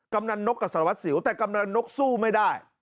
กำนันนกกับสารวัสสิวแต่กำนันนกสู้ไม่ได้